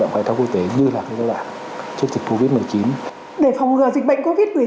động khai thác quốc tế như là cái giai đoạn trước dịch covid một mươi chín để phòng ngừa dịch bệnh covid một mươi chín